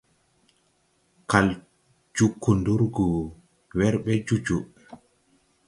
Kal joo kundurgu wer ɓe jo jo.